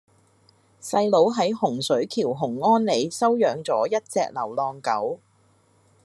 細佬喺洪水橋洪安里收養左一隻流浪狗